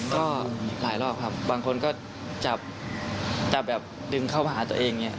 ก็หลายรอบครับบางคนก็จับแบบดึงเข้ามาหาตัวเองอย่างนี้